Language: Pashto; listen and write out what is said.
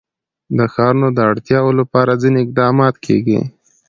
د ښارونو د اړتیاوو لپاره ځینې اقدامات کېږي.